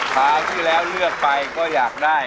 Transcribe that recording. ทางที่แล้วเลือกไปก็อยากได้